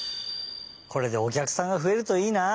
これでおきゃくさんがふえるといいな。